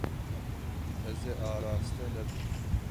Ez ê araste nebim.